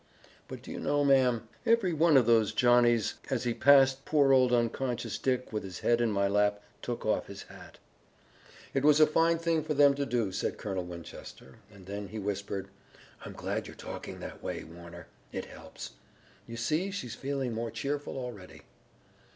But do you know, ma'am, every one of those Johnnies, as he passed poor old unconscious Dick with his head in my lap, took off his hat." "It was a fine thing for them to do," said Colonel Winchester, and then he whispered: "I'm glad you talked that way, Warner. It helps. You see, she's feeling more cheerful already."